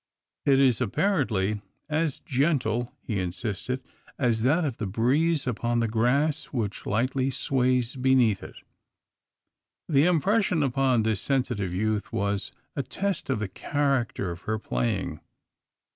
It is apparently as gentle, he insisted, as that of the breeze upon the grass which lightly sways beneath it. The impression upon this sensitive youth was a test of the character of her playing.